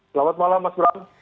selamat malam mas bram